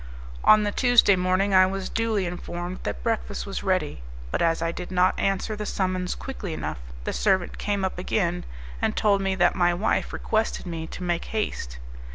On the Tuesday morning I was duly informed that breakfast was ready, but as I did not answer the summons quickly enough the servant came up again, and told me that my wife requested me to make haste.